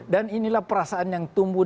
dan inilah perasaan yang tumbuh